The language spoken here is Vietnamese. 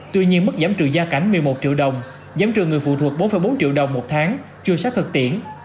tuy nhiên mức giảm trừ gia cảnh một mươi một triệu đồng giảm trừ người phụ thuộc bốn bốn triệu đồng một tháng chưa sát thực tiễn